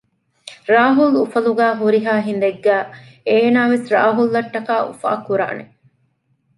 ރާހުލް އުފަލުގައި ހުރިހާ ހިނދެއްގައި އޭނާވެސް ރާހުލްއަށްޓަކާ އުފާކުރާނެ